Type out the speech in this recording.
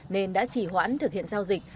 nên đã chỉ hoãn thực hiện giao dịch